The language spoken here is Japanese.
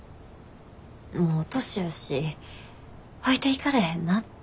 もう年やし置いていかれへんなって。